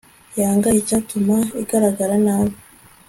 yanga icyatuma igaragara nabi